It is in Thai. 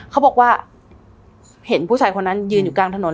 เขาบอกว่าเห็นผู้ชายคนนั้นยืนอยู่กลางถนน